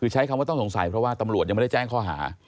คือใช้คำว่าต้องสงสัยเพราะว่าตำรวจยังไม่ได้แจ้งข้อหา